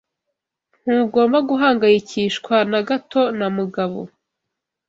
Ntugomba guhangayikishwa na gato na Mugabo.